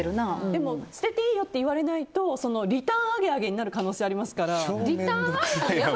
でも、捨てていいよと言われないとリターンあげあげになる可能性ありますから。